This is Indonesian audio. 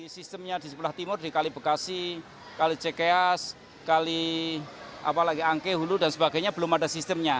sistemnya di sebelah timur di kali bekasi kali cekias kali angkehulu dan sebagainya belum ada sistemnya